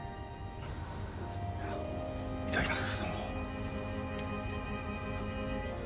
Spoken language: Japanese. いただきます。